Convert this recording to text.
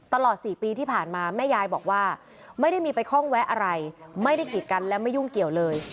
ตลอด๔ปีที่ผ่านมาแม่ยายบอกว่าไม่ได้มีไปคล่องแวะอะไรไม่ได้กีดกันและไม่ยุ่งเกี่ยวเลย